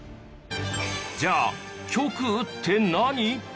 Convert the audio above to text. じゃあ極右って何？